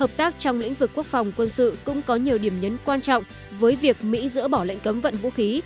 hợp tác trong lĩnh vực quốc phòng quân sự cũng có nhiều điểm nhấn quan trọng với việc mỹ dỡ bỏ lệnh cấm vận vũ khí